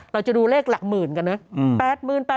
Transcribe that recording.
เราจะดูเลขหลักหมื่นกันนะ